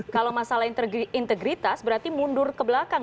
kalau masalah integritas berarti mundur ke belakang